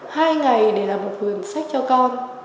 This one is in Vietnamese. hai ngày để làm một cuốn sách cho con